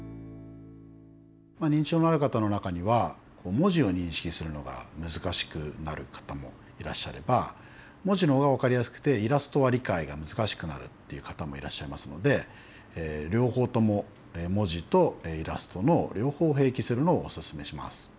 認知症のある方の中には文字を認識するのが難しくなる方もいらっしゃれば文字の方が分かりやすくてイラストは理解が難しくなるという方もいらっしゃいますので両方とも文字とイラストの両方併記するのをおすすめします。